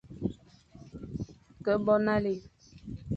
Ke bo nale,